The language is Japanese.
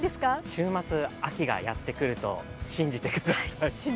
週末、秋がやってくると信じてください。